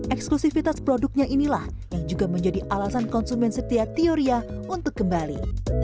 eksklusifitas produknya inilah yang juga menjadi alasan konsumen setia teoria untuk kembali